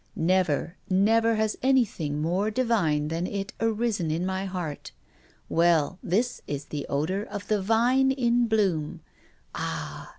Never, never has anything more divine than it arisen in my heart. Well, this is the odor of the vine in bloom. Ah!